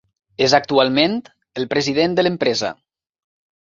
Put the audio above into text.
Es actualment el president de l'empresa.